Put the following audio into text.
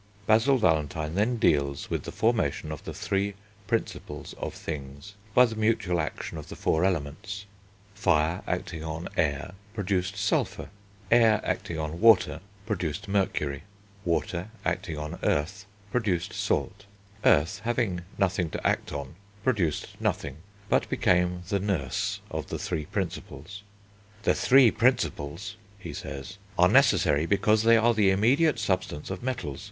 Basil Valentine then deals with the formation of the three Principles of things, by the mutual action of the four Elements. Fire acting on Air produced Sulphur; Air acting on Water produced Mercury; Water acting on Earth produced Salt. Earth having nothing to act on produced nothing, but became the nurse of the three Principles. "The three Principles," he says, "are necessary because they are the immediate substance of metals.